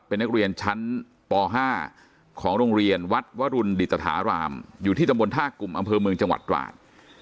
เป็นนักเรียนชั้นป๕ของโรงเรียนวัดวรุณดิตฐารามอยู่ที่ตำบลท่ากลุ่มอำเภอเมืองจังหวัดตราด